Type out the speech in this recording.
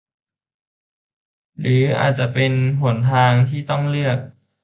หรืออาจจะเป็นหนทางที่ต้องเลือก